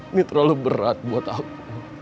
ini terlalu berat buat aku